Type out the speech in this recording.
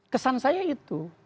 kesan saya itu